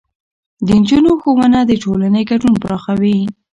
د نجونو ښوونه د ټولنې ګډون پراخوي.